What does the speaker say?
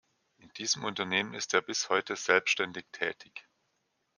In diesem Unternehmen ist er bis heute selbständig tätig.